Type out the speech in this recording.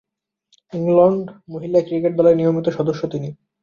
England মহিলা cricket দলের নিয়মিত সদস্য তিনি।